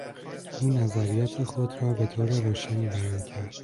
او نظریات خود را به طور روشنی بیان کرد.